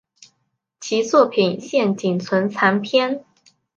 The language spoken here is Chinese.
其作品现仅存残篇。